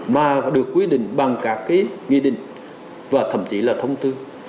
mà được quy định bằng các cái nghị định và thậm chí là thông tư